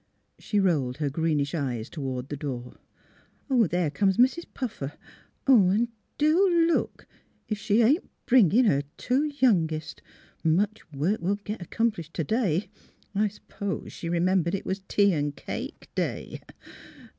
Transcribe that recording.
She rolled her greenish eyes toward the door. " There comes Mis' Puffer, an' do look! If she ain 't bringing her two youngest ! Much work we '11 get accomplished t ' day. I s 'pose she remembered it was tea an' cake day.